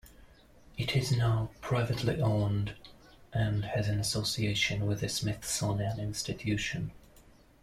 It is now privately owned, and has an association with the Smithsonian Institution.